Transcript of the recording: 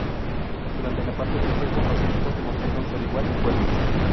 Durante la parte del juego, los equipos demostraron ser igual de fuertes.